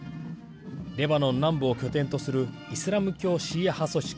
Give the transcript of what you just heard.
レバノン南部を拠点とするイスラム教シーア派組織